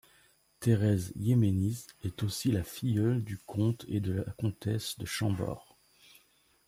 Thérèse Yemeniz est aussi la filleule du comte et de la comtesse de Chambord.